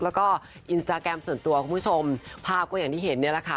แล้วก็อินสตาแกรมส่วนตัวคุณผู้ชมภาพก็อย่างที่เห็นเนี่ยแหละค่ะ